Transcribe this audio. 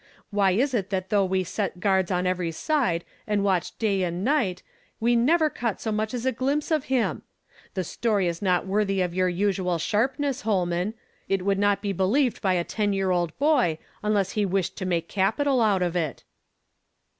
Why was it that though wn s^f, miowio ery side, and watched day and night, we^uever on UB YESTERDAY FRAMED IX TO DAY. 1: caught so mach as a glimpse of him? The stoiy is not worthy of your usual sharpness, Holman ; it would not be believed by a ten year old boy, unless he wished to make capital out of it."